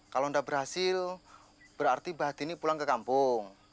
kalau nggak berhasil berarti mbah dini pulang ke kampung